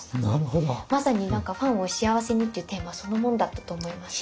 まさに「ファンをしあわせに」っていうテーマそのものだったと思います。